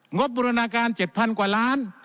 บูรณาการ๗๐๐กว่าล้าน